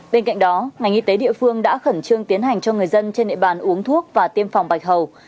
bên cạnh đó ngành y tế địa phương đã khẩn trương tiến hành cho người dân trên địa bàn uống thuốc và tiêm phòng bạch hầu